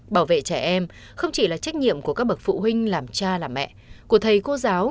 bảo vệ trẻ em không chỉ là trách nhiệm của các bậc phụ huynh làm cha làm mẹ của thầy cô giáo